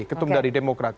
ketum dari demokrat